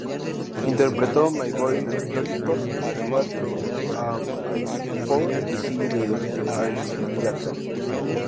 Interpretó "My Boy Lollipop", "What Am I Living For" y "See You Later, Alligator".